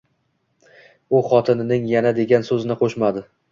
U xotinining yana degan so‘zni qo‘shmadi.